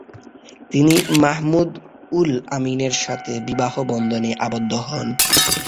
তিনি মাহমুদ-উল-আমীনের সাথে বিবাহ বন্ধনে আবদ্ধ হন।